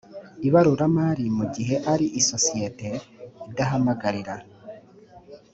ibaruramari mu gihe ari isosiyete idahamagarira